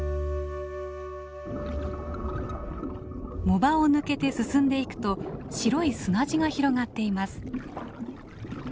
藻場を抜けて進んでいくと白い砂地が広がっています。